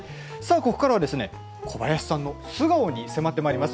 ここからは小林さんの素顔に迫ります。